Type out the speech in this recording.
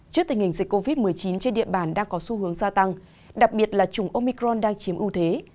trước tình hình dịch covid một mươi chín trên địa bàn đang có xu hướng gia tăng đặc biệt là chủng omicron đang chiếm ưu thế